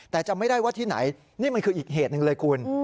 แต่จำไม่ได้ว่าที่ไหนนี่มันคืออีกเหตุหนึ่งเลยคุณ